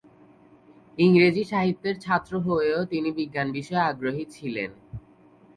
ইংরেজি সাহিত্যের ছাত্র হয়েও তিনি বিজ্ঞান বিষয়ে আগ্রহী ছিলেন।